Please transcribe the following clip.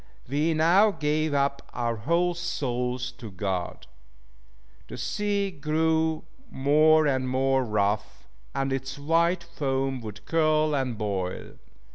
We now gave up our whole souls to God. The sea grew more and more rough, and its white foam would curl and boil.